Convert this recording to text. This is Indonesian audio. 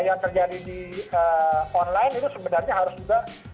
yang terjadi di online itu sebenarnya harus juga